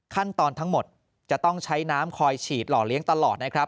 ขั้นตอนทั้งหมดจะต้องใช้น้ำคอยฉีดหล่อเลี้ยงตลอดนะครับ